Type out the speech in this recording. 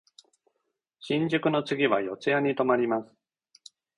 新宿の次は四谷に止まります。